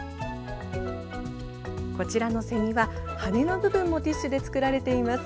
こちらのセミは、羽の部分もティッシュで作られています。